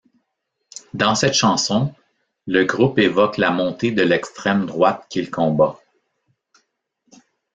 Dans cette chanson, le groupe évoque la montée de l'extrême-droite qu'il combat.